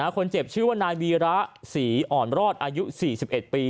คนเจ็บชื่อว่านายวีระศรีอ่อนรอดอายุ๔๑ปี